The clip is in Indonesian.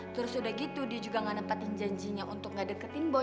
terus udah gitu dia juga gak nempatin janjinya untuk gak deketin boy